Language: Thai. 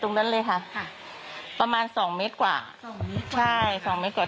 ตรงนั้นเลยค่ะค่ะประมาณสองเมตรกว่าสองเมตรใช่สองเมตรกว่า